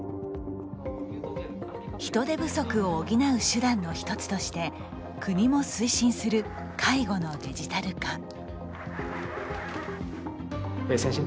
人手不足を補う手段の一つとして国も推進する介護のデジタル化。